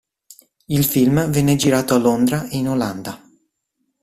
Il film venne girato a Londra e in Olanda.